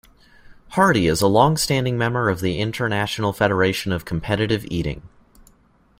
Hardy is a long-standing member of the International Federation of Competitive Eating.